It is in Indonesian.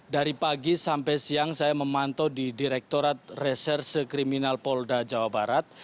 dari pagi sampai siang saya memantau di direktorat reserse kriminal polda jawa barat